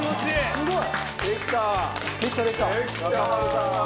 すごい。